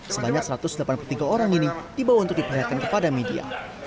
sebanyak satu ratus delapan puluh tiga orang ini dibawa untuk diperlihatkan kepada media